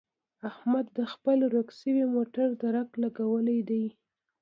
احمد د خپل ورک شوي موټر درک لګولی دی.